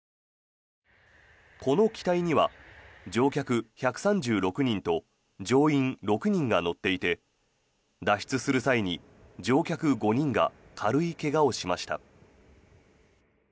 この機体には乗客１３６人と乗員６人が乗っていて脱出する際に乗客５人が軽い怪我をしました。